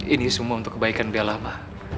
ini semua untuk kebaikan bella ma